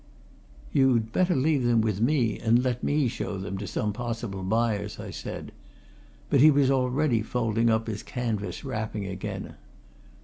"You'd better leave them with me, and let me show them to some possible buyers," I said. But he was already folding up his canvas wrapping again.